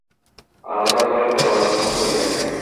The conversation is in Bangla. আলাদা করে বলার কোনোই প্রয়োজন নেই।